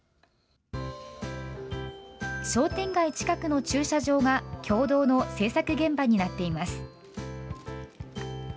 商店街近くの駐車場が共同の制作現場になっています。